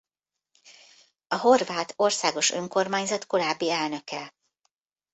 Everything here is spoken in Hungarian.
A Horvát Országos Önkormányzat korábbi elnöke.